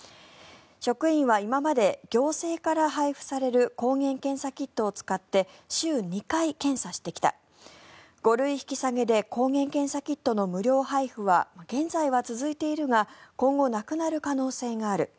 職員は今まで行政から配布される抗原検査キットを使って週２回検査してきた５類引き下げで抗原検査キットの無料配布は現在は続いているが今後、なくなる可能性がある。